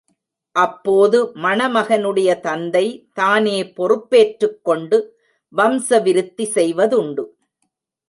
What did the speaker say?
அப்போது மணமகனுடைய தந்தை, தானே பொறுப்பேற்றுக் கொண்டு வம்சவிருத்தி செய்வதுண்டு.